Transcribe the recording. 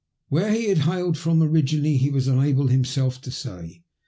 Where he had hailed from originally he was unable himself to say.